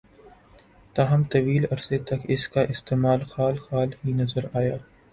تاہم ، طویل عرصے تک اس کا استعمال خال خال ہی نظر آیا